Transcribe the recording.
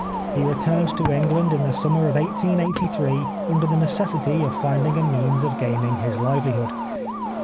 He returned to England in the summer of 1883 under the necessity of finding a means of gaining his livelihood.